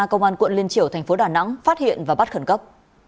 công an quận liên triểu tp đà nẵng phát hiện và bắt khẩn cấp